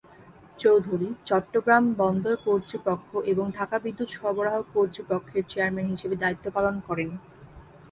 চৌধুরী চট্টগ্রাম বন্দর কর্তৃপক্ষ এবং ঢাকা বিদ্যুৎ সরবরাহ কর্তৃপক্ষের চেয়ারম্যান হিসেবে দায়িত্ব পালন করেন।